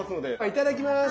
いただきます。